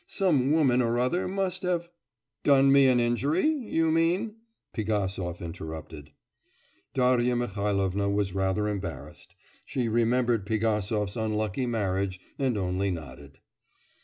Some woman or other must have ' 'Done me an injury, you mean?' Pigasov interrupted. Darya Mihailovna was rather embarrassed; she remembered Pigasov's unlucky marriage, and only nodded.